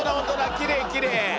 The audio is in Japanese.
きれいきれい。